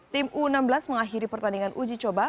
tim u enam belas mengakhiri pertandingan uji coba